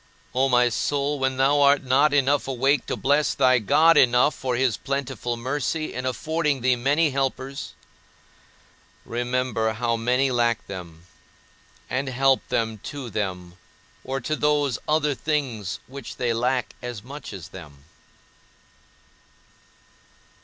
O my soul, when thou art not enough awake to bless thy God enough for his plentiful mercy in affording thee many helpers, remember how many lack them, and help them to them or to those other things which they lack as much as them.